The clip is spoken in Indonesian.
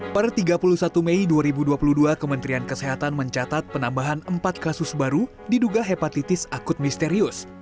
per tiga puluh satu mei dua ribu dua puluh dua kementerian kesehatan mencatat penambahan empat kasus baru diduga hepatitis akut misterius